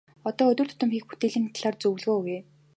Одоо өдөр тутам хийх бүтээлийн талаар зөвлөмж өгье.